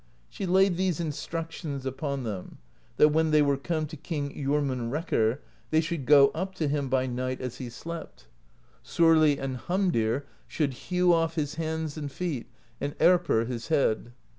She laid these instructions upon them : that, when they were come to King Jormunrekkr, they should go up to him by night as he slept: THE POESY OF SKALDS 159 Sorli and Hamdir should hew off his hands and feet, and Erpr his head.